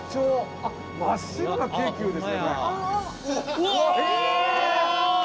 うわ！